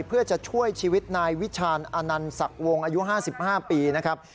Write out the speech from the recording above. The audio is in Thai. เพื่อจะช่วยชีวิตนายวิชาณอนันศักดิ์วงอายุ๕๕ปีนะครับ